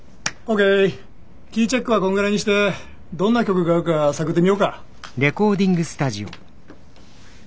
キーチェックはこんぐらいにしてどんな曲が合うか探ってみようか。